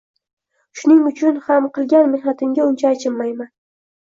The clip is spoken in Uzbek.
Shuning uchun ham qilgan mehnatimga uncha achinmayman.